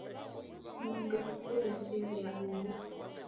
Mundu ukuw'eseria oho